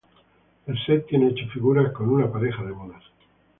El set tiene ocho figuras con una pareja de bodas.